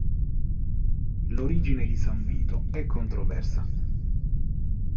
L'origine di San Vito è controversa.